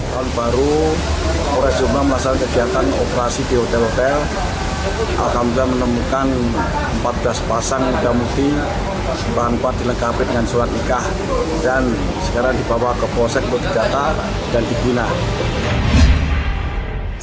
tahun baru polres jombang melaksanakan kegiatan operasi di hotel hotel alhamdulillah menemukan empat belas pasang yang sudah muti empat empat dilengkapi dengan surat nikah dan sekarang dibawa ke posek untuk dikata dan digunakan